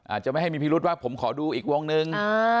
อาจจะไม่ให้มีพิรุษว่าผมขอดูอีกวงนึง